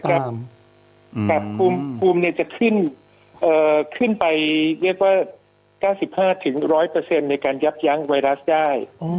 กับภูมิจะขึ้นขึ้นไป๙๕๑๐๐ในการยับยั้งไวรัสได้